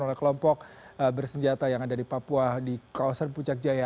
oleh kelompok bersenjata yang ada di papua di kawasan puncak jaya